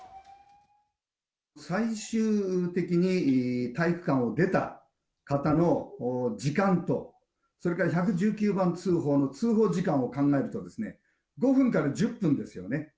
最終的に体育館を出た方の時間と、それから１１９番通報の通報時間を考えるとですね、５分から１０分ですよね。